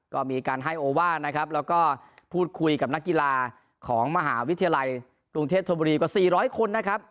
ก็มีการให้โอว่านะครับแล้วก็พูดคุยกับนักกีฬาของมหาวิทยาลัยกรุงเทพธบุรีกว่า๔๐๐คนนะครับ